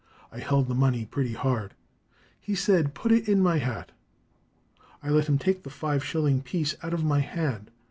I held the money pretty hard. He said, 'Put it in my hat.' I let him take the five shilling piece out of my hand.